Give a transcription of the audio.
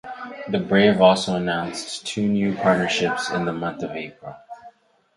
The Brave also announced two new partnerships in the month of April.